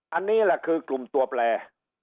อันนี้แหละคือกลุ่มตัวแปล